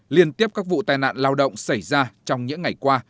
liên tiếp các vụ tai nạn lao động xảy ra trong những ngày qua